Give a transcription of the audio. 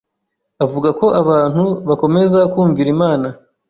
avuga ko abantu bakomeza kumvira imana